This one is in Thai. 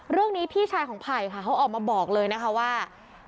เรื่องนี้พี่ชายของไผ่เขาออกมาบอกเลยนะคะว่า